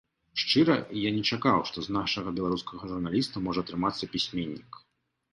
Шчыра, я не чакаў, што з нашага беларускага журналіста можа атрымацца пісьменнік.